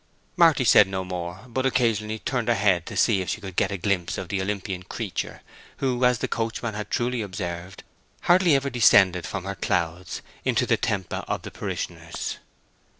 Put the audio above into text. Marty said no more, but occasionally turned her head to see if she could get a glimpse of the Olympian creature who as the coachman had truly observed, hardly ever descended from her clouds into the Tempe of the parishioners.